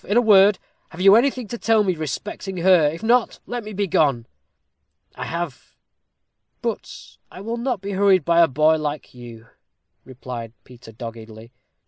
In a word, have you anything to tell me respecting her? if not, let me begone." "I have. But I will not be hurried by a boy like you," replied Peter, doggedly.